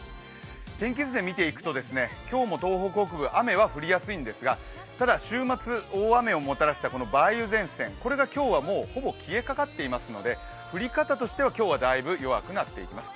天気図で見ていくと今日も東北北部雨は降りやすいんですがただ週末、大雨をもたらした梅雨前線、これが今日はほぼ消えかかっていますので降り方としては今日はだいぶ弱くなっています。